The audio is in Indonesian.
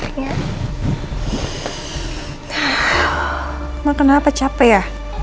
emang kenapa capek ya